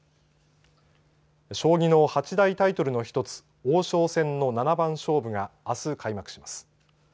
将棋の八大タイトルの１つ王将戦の七番勝負があす、開幕します。